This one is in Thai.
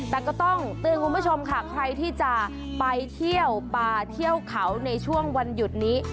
แต่ก็ต้องเตือนคุณผู้ชมค่ะใครที่จะไปเที่ยวป่าเที่ยวเขาในช่วงวันหยุดนี้